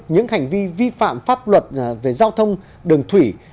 những hành vi vi phạm pháp luật về giao thông đường thủy